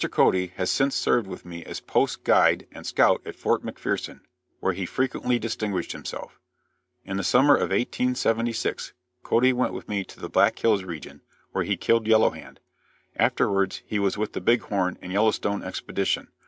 Cody has since served with me as post guide and scout at Fort McPherson, where he frequently distinguished himself. "In the summer of 1876, Cody went with me to the Black Hills region where he killed Yellow Hand. Afterwards he was with the Big Horn and Yellowstone expedition.